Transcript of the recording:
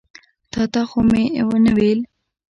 تا ته خو مې ونه ویل.